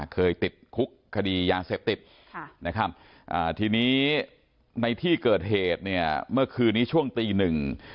เคยติดคุกคดียางเสพติดทีนี้ในที่เกิดเหตุเมื่อคืนนี้ช่วงตีหนึ่ง